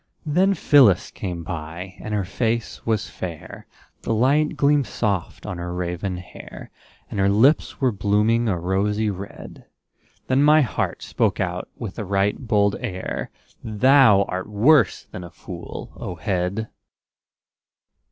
Then Phyllis came by, and her face was fair, The light gleamed soft on her raven hair; And her lips were blooming a rosy red. Then my heart spoke out with a right bold air: "Thou art worse than a fool, O head!"